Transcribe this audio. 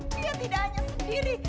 dia tidak hanya sendiri